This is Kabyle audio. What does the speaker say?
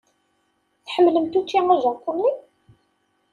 Tḥemmlemt učči ajapuni?